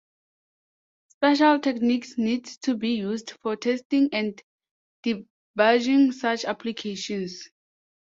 Special techniques need to be used for testing and debugging such applications.